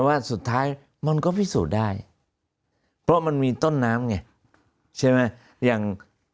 ว่าสุดท้ายมันก็พิสูจน์ได้เพราะมันมีต้นน้ำไงใช่ไหมอย่าง